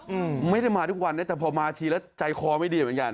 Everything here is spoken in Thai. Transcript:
อืมไม่ได้มาทุกวันนะแต่พอมาทีแล้วใจคอไม่ดีเหมือนกัน